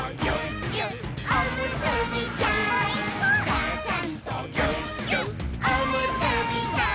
「ちゃちゃんとぎゅっぎゅっおむすびちゃん」